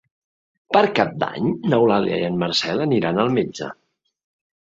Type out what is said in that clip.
Per Cap d'Any n'Eulàlia i en Marcel aniran al metge.